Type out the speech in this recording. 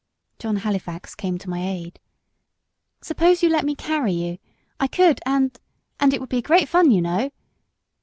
John Halifax came to my aid. "Suppose you let me carry you. I could and and it would be great fun, you know."